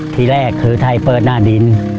ทีแรกคือไทยเปิดหน้าดิน